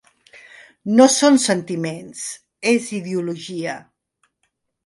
No són sentiments, és ideologia.